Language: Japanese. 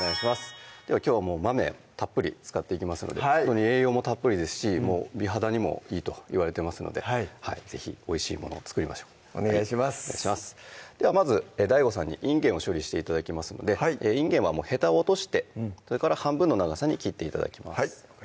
きょうは豆たっぷり使っていきますので栄養もたっぷりですし美肌にもいいといわれてますので是非おいしいものを作りましょうお願いしますではまずＤＡＩＧＯさんにいんげんを処理して頂きますのでいんげんはもうへたを落としてそれから半分の長さに切って頂きます